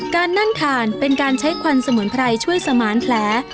การนั่งถ่านเป็นการใช้ควันสมุนไพรช่วยสมานแผล